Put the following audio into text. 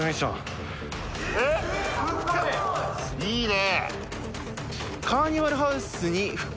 いいね。